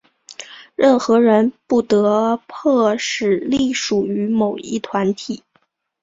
任何人不得迫使隶属于某一团体。